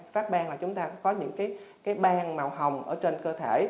phát ban là chúng ta có những ban màu hồng ở trên cơ thể